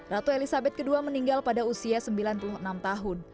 ratu elizabeth ii meninggal pada usia sembilan puluh enam tahun